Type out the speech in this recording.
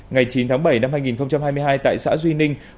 ngày chín tháng bảy năm hai nghìn hai mươi hai tại xã duy ninh